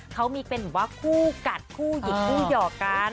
เขามีเป็นแบบว่าคู่กัดคู่หยิกคู่หยอกกัน